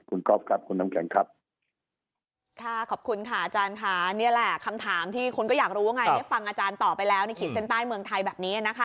คุณกอฟครับคุณน้ำแข็งครับ